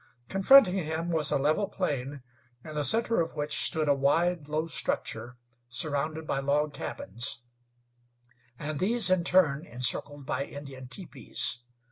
Confronting him was a level plain, in the center of which stood a wide, low structure surrounded by log cabins, and these in turn encircled by Indian teepees.